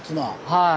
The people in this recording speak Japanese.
はい。